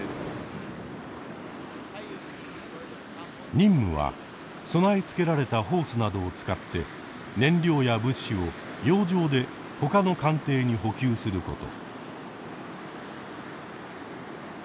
任務は備え付けられたホースなどを使って燃料や物資を洋上でほかの艦艇に補給すること。